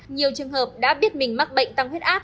nhiều trường hợp đã biết mình mắc bệnh tăng huyết áp